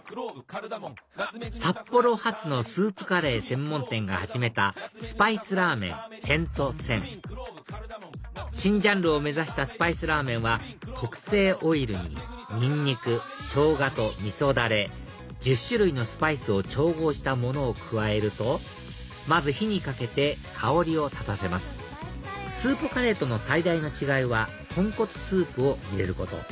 札幌発のスープカレー専門店が始めたスパイスラーメン点と線．新ジャンルを目指したスパイスラーメンは特製オイルにニンニクショウガとみそダレ１０種類のスパイスを調合したものを加えるとまず火にかけて香りを立たせますスープカレーとの最大の違いは豚骨スープを入れること